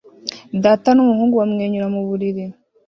Data n'umuhungu bamwenyura mu buriri